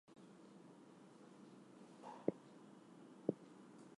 Many other countries also have laws pertaining to dangerous dogs.